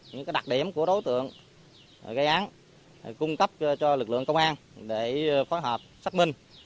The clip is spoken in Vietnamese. những đặc điểm của đối tượng gây án cung cấp cho lực lượng công an để phối hợp xác minh